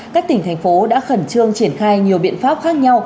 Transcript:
các tỉnh thành phố đã khẩn trương triển khai nhiều biện pháp khác nhau